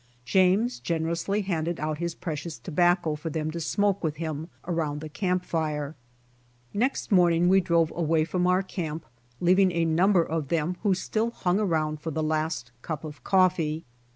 James generously handed out his precious tobacco for them to smoke with him around our camp fire. Next morning we drove away from our camp, OUR INDIAJST PROTECTOR 95 leaving a number of them who still hung around foi the last cup of coffee.